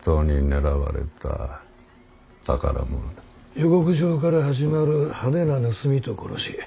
予告状から始まる派手な盗みと殺し。